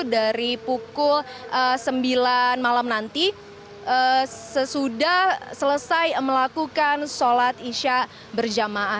dari pukul sembilan malam nanti sesudah selesai melakukan sholat isya berjamaah